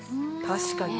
確かに。